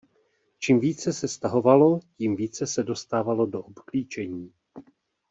Čím více se stahovalo, tím více se dostávalo do obklíčení.